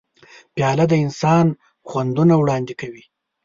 پیاله د انسان خوندونه وړاندې کوي.